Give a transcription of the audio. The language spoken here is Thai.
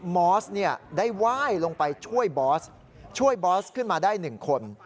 มอสได้ไหว้ลงไปช่วยบอสช่วยบอสขึ้นมาได้๑คน